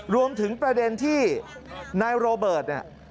รวมถึงประเด็นที่นายโรเบิร์ตเนี่ย